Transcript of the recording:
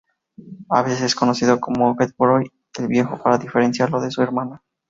A veces es conocido como "Geoffroy el viejo" para diferenciarlo de su hermano.